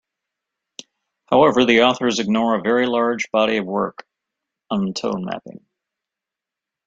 However, the authors ignore a very large body of work on tone mapping.